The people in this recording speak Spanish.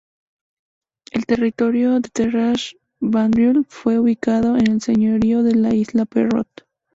El territorio de Terrasse-Vaudreuil fue ubicado en el señorío de la Isla Perrot.